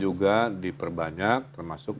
juga diperbanyak termasuk